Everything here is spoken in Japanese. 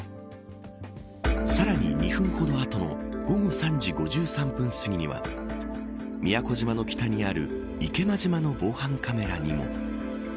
さらに２分ほど後の午後３時５３分過ぎには宮古島の北にある池間島の防犯カメラにも。